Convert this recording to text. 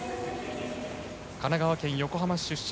神奈川県横浜市出身。